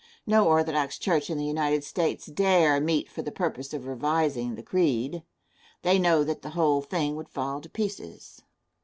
No orthodox church in the United States dare meet for the purpose of revising the creed. They know that the whole thing would fall to pieces.